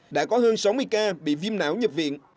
đã có hơn sáu mươi ca bị viêm não nhập viện